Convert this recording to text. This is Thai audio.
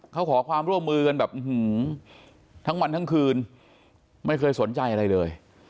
เขาขอความร่วมมือกันแบบทั้งวันทั้งคืนไม่เคยสนใจอะไรเลย